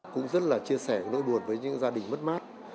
cũng rất là chia sẻ nỗi buồn với những gia đình mất mát